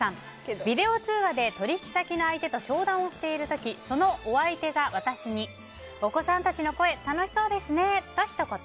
ビデオ通話で取引先の相手と商談をしている時そのお相手が私にお子さんたちの声楽しそうですねと、ひと言。